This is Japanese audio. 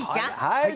はい。